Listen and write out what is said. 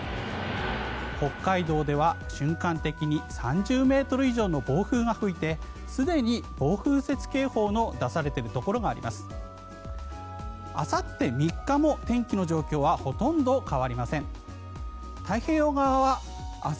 北海道では、瞬間的に３０ｍ以上の暴風が吹いてすでに暴風雪警報の出されているところがあります。